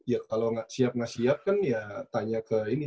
ya kalau nggak siap nggak siap kan ya tanya ke ini